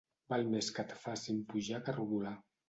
Val més que et facin pujar que rodolar.